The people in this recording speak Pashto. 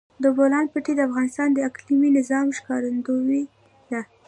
د بولان پټي د افغانستان د اقلیمي نظام ښکارندوی ده.